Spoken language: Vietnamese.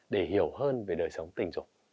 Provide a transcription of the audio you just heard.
để hiểu hơn về đời sống tình dục